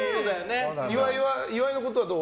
岩井のことはどう？